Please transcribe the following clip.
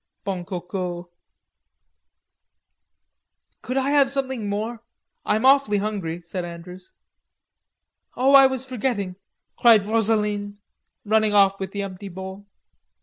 Bon Coco." "Could I have something more, I'm awfully hungry," said Andrews. "Oh, I was forgetting," cried Rosaline, running off with the empty bowl.